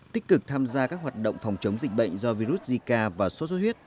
tích cực tham gia các hoạt động phòng chống dịch bệnh do virus zika và sốt xuất huyết